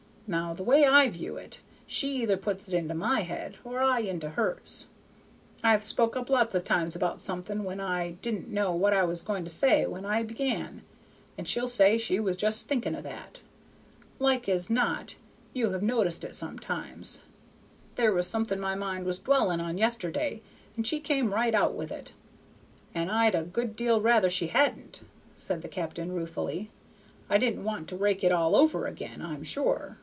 Now the way I view it, she either puts it into my head or I into hers. I've spoke up lots of times about something, when I didn't know what I was going to say when I began, and she'll say she was just thinking of that. Like as not you have noticed it sometimes? There was something my mind was dwellin' on yesterday, and she come right out with it, and I'd a good deal rather she hadn't," said the captain, ruefully. "I didn't want to rake it all over ag'in, I'm sure."